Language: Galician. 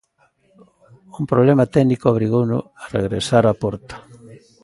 Un problema técnico obrigouno a regresar a porto.